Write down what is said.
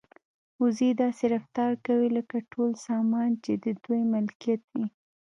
وزې داسې رفتار کوي لکه ټول سامان چې د دوی ملکیت وي.